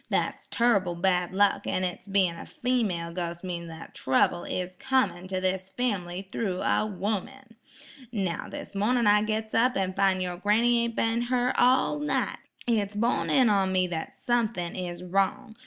That's turrible bad luck; an' its bein' a female ghos' means that trouble is comin' to this family thro' a 'ooman. Now, this mornin' I gits up an fin' yer granny ain't been her all night. It's borne in on me that sumthin' is wrong.